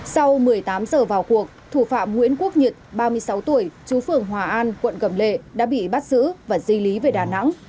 sau một mươi tám giờ vào cuộc thủ phạm nguyễn quốc nhật ba mươi sáu tuổi chú phường hòa an quận cầm lệ đã bị bắt giữ và di lý về đà nẵng